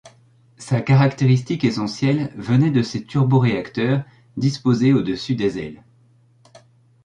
Sa caractéristique essentielle venait de ses turboréacteurs disposés au-dessus des ailes.